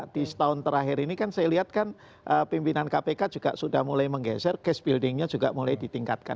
di setahun terakhir ini kan saya lihat kan pimpinan kpk juga sudah mulai menggeser case buildingnya juga mulai ditingkatkan